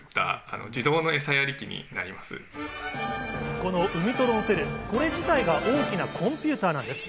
このウミトロンセル、これ自体が大きなコンピュータなんです。